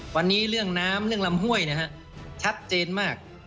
วันนี้เรื่องน้ำเรื่องลำห้วยนะฮะชัดเจนมาก